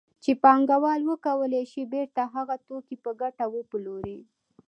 چې پانګوال وکولای شي بېرته هغه توکي په ګټه وپلوري